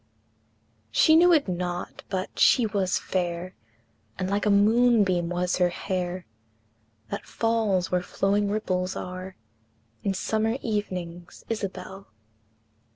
She knew it not, but she was fair, And like a moonbeam was her hair, That falls where flowing ripples are In summer evenings, Isabel!